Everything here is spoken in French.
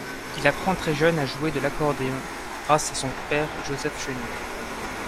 Il apprend très jeune à jouer de l'accordéon grâce à son père Joseph Chenier.